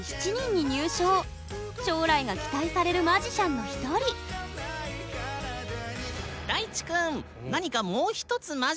将来が期待されるマジシャンの一人大智くん何かもう一つマジック見せてくれる？